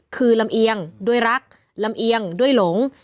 คือลำเอียงด้วยรักลำเอียงด้วยหลง